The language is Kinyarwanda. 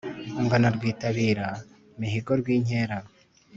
ungana rwitabira mihigo rwinkera